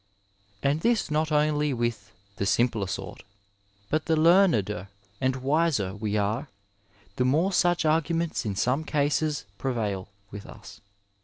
*^ And this not only with ' the simplei sort,' but the leameder and wiser we are, the more such ai^guments in some cases prevail with us.